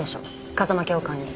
風間教官に。